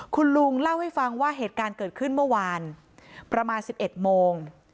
คุณลุงเล่าให้ฟังว่าเหตุการณ์เกิดขึ้นเมื่อวานประมาณ๑๑โมง